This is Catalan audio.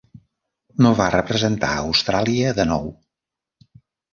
No va representar Austràlia de nou.